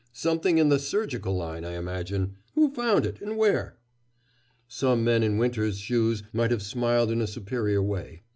"Something in the surgical line, I imagine. Who found it, and where?" Some men in Winter's shoes might have smiled in a superior way.